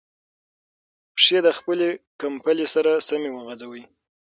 پښې د خپلې کمپلې سره سمې وغځوئ.